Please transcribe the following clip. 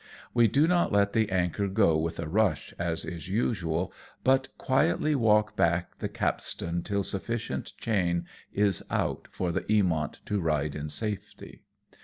We do not let the anchor go with a rush, as is usual, but quietly walk back the capstan till sufficient chain is out for the Eamont to ride in safety.